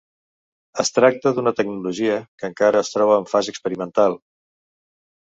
Es tracta d'una tecnologia que encara es troba en fase experimental.